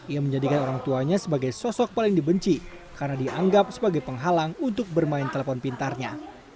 ia menjadikan orang tuanya sebagai sosok paling dibenci karena dianggap sebagai penghalang untuk bermain telepon pintarnya